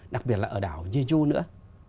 đặc biệt là ở đảo jeju nữa